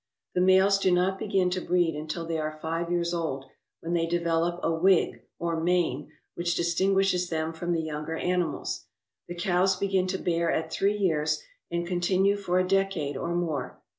The males do not begin to breed until they are five years old, when they develop a wig, or mane, which distinguishes them from the younger animals. The cows begin to bear at three years and continue for a decade or more.